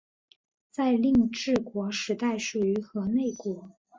在令制国时代属于河内国。